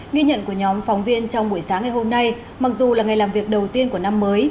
nghi nhận của nhóm phóng viên trong buổi sáng ngày hôm nay mặc dù là ngày làm việc đầu tiên của năm mới